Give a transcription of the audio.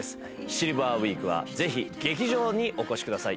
シルバーウイークはぜひ劇場にお越しください。